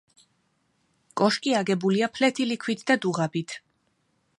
კოშკი აგებულია ფლეთილი ქვით და დუღაბით.